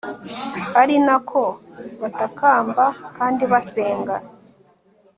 ari na ko batakamba kandi basenga